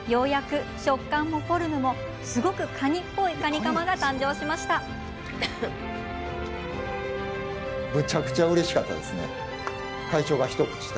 ようやく、食感もフォルムもすごくカニっぽいカニカマが誕生したんです。